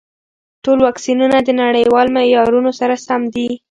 ټول واکسینونه د نړیوال معیارونو سره سم دي.